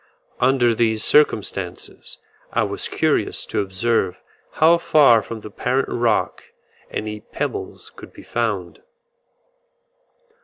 Under these circumstances I was curious to observe how far from the parent rock any pebbles could be found.